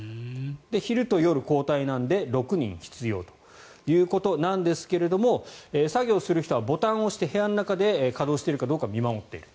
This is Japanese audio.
昼と夜、交代なので６人必要ということなんですが作業する人はボタンを押して部屋の中で稼働しているかどうか見守っている。